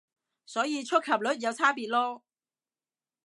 所以觸及率有差別囉